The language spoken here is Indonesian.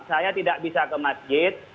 saya tidak bisa ke masjid